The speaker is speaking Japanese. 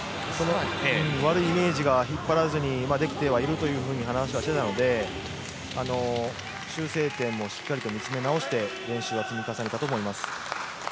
悪いイメージが引っ張らずにできているとは話していたので修正点もしっかりと見つめ直して練習は積み重ねたと思います。